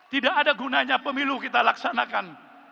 tidak ada gunanya pemilu kita laksanakan